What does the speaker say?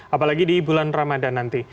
apalagi di bulan ramadan nanti